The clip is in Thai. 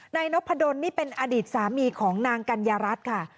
นายนพดลนี่เป็นอดีตสามีของนางกัญญารัฐค่ะ